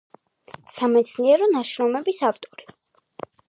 სამეცნიერო ნაშრომების ავტორი.